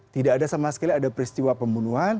tidak ada sama sekali ada peristiwa pembunuhan